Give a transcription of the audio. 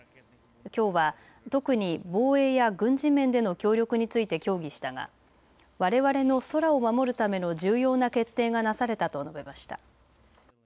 きょうは特に防衛や軍事面での協力について協議したがわれわれの空を守るための重要な決定がなされたと述べました。